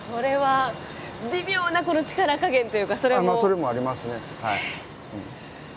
それもありますねはい。